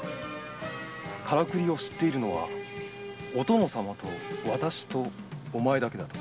「カラクリを知っているのはお殿様と私とお前だけだ」と。